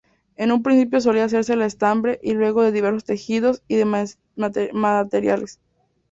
En un principio solía hacerse de estambre y luego de diversos tejidos y materiales.